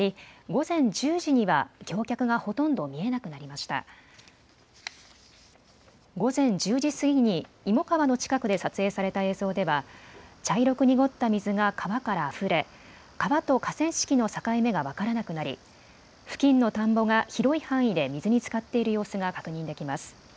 午前１０時過ぎに芋川の近くで撮影された映像では茶色く濁った水が川からあふれ、川と河川敷の境目が分からなくなり付近の田んぼが広い範囲で水につかっている様子が確認できます。